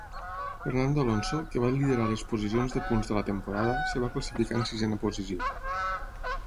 Fernando Alonso, que va liderar les posicions de punts de la temporada, es va classificar en sisena posició.